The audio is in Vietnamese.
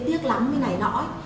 tiếc lắm như này nõi